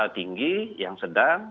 tinggi yang sedang